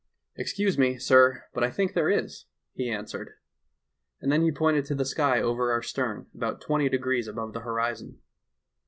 '"Excuse me, sir, but I think there is,' he answered. "And then he pointed to the sky over our stern, about twenty degrees above the horizon.